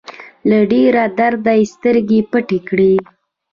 له ډېره درده يې سترګې پټې کړې.